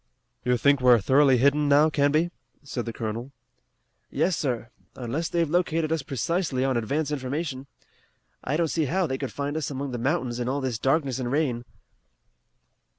"You think we're thoroughly hidden now, Canby?" said the colonel. "Yes, sir. Unless they've located us precisely on advance information. I don't see how they could find us among the mountains in all this darkness and rain."